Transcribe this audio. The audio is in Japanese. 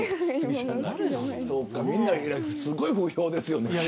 すごい不評ですよね。